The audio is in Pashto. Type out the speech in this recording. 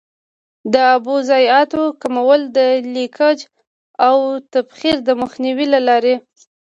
د اوبو ضایعاتو کمول د لیکج او تبخیر د مخنیوي له لارې.